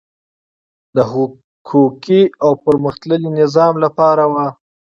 د حقوقي او پرمختللي نظام لپاره وو.